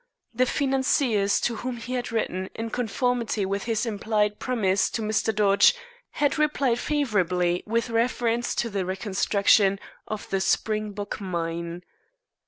The financiers to whom he had written in conformity with his implied promise to Mr. Dodge had replied favorably with reference to the reconstruction of the Springbok Mine.